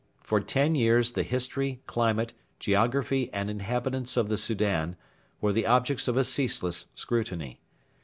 For ten years the history, climate, geography, and inhabitants of the Soudan were the objects of a ceaseless scrutiny.